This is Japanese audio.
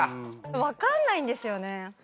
分かんないんですよね。